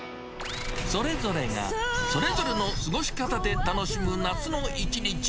それぞれが、それぞれの過ごし方で楽しむ夏の一日。